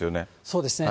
そうですね。